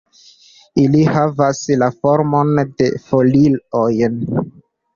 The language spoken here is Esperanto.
Ili havas la formon de folioj.